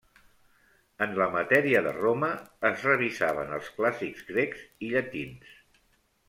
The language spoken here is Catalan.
En la matèria de Roma es revisaven els clàssics grecs i llatins.